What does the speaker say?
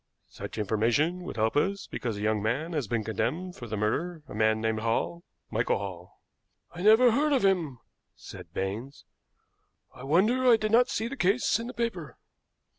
"Such information would help us, because a young man has been condemned for the murder, a man named Hall Michael Hall." "I never heard of him," said Baines. "I wonder I did not see the case in the paper."